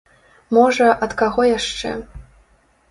Можа, ад каго яшчэ.